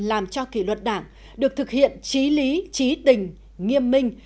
tự giác đối cho kỷ luật đảng được thực hiện trí lý trí tình nghiêm minh